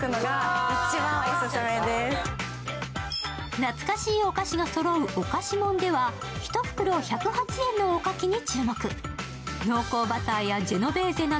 懐かしいお菓子がそろうおかしもんでは、１袋１０８円のおかきに注目。